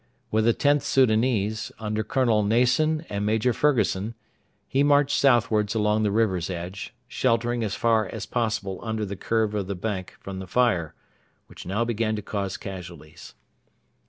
With the Xth Soudanese, under Colonel Nason and Major Fergusson, he marched northwards along the river's edge, sheltering as far as possible under the curve of the bank from the fire, which now began to cause casualties.